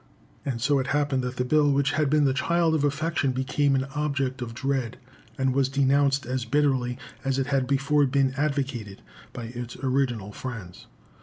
And so it happened that the bill which had been the child of affection became an object of dread, and was denounced as bitterly as it had before been advocated by its original friends.